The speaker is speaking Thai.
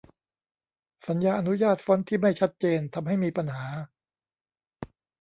สัญญาอนุญาต ฟอนต์ ที่ไม่ชัดเจน ทำให้มีปัญหา